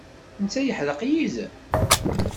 Netta yeḥdeq yid-m?